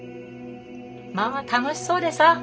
まあ楽しそうでさ。